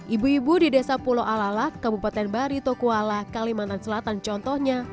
ibu ibu di desa pulau alalak kabupaten bari tokuala kalimantan selatan contohnya